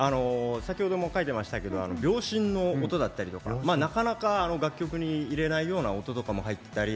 先ほども書いてましたけど秒針の音だったりとかなかなか楽曲に入れないような音とかも入ってたり。